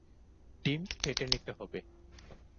ডিম ফেটে নিতে হবে।